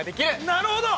◆なるほど！